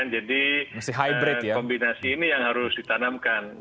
jadi kombinasi ini yang harus ditanamkan